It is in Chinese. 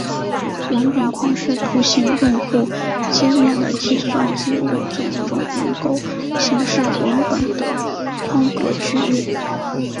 文本框是图形用户界面的计算机软件中能够显示文本的框格区域。